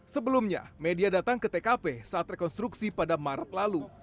sebelumnya media datang ke tkp saat rekonstruksi pada maret lalu